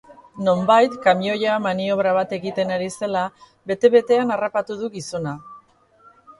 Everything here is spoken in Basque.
Nonbait, kamioia maniobra bat egiten ari zela, bete-betean harrapatu du gizona.